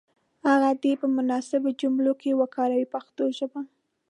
هغه دې په مناسبو جملو کې وکاروي په پښتو ژبه.